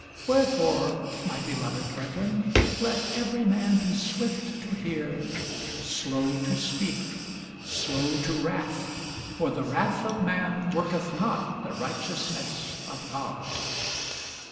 Wherefore, my beloved brethren, let every man be swift to hear, slow to speak, slow to wrath: for the wrath of man worketh not the righteousness of God.